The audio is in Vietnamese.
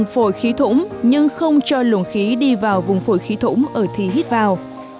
phổi khí thủng nhưng không cho luồng khí đi vào vùng phổi khí thủng ở thi hít vào